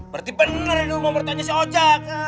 berarti bener ini rumah pertanyaan si ojak